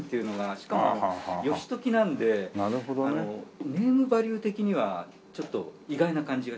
しかも義時なんでネームバリュー的にはちょっと意外な感じが。